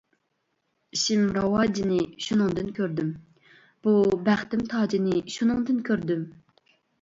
ئىشىم راۋاجىنى شۇنىڭدىن كۆردۈم، بۇ بەختىم تاجىنى شۇنىڭدىن كۆردۈم.